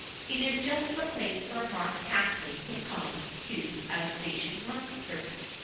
It is just the place for Mark Tapley to come to as station master.